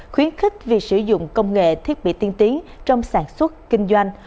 khuyến khích việc sử dụng công nghệ thiết bị tiên tiến trong sản xuất kinh doanh